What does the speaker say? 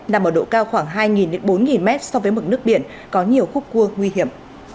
nằm ở độ cao khoảng hai bốn mét so với mực nước biển có nhiều khúc cua nguy hiểm